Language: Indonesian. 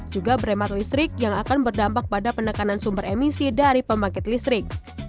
juga bremat listrik yang akan berdampak pada penekanan sumber emisi dari pembangkit listrik